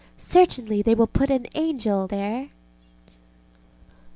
Certainly they will put an angel there.